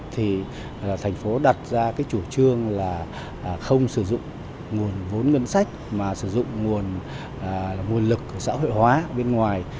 thì thành phố đặt ra cái chủ trương là không sử dụng nguồn vốn ngân sách mà sử dụng nguồn lực xã hội hóa bên ngoài